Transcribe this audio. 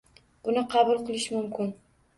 Buni qabul qilish mumkin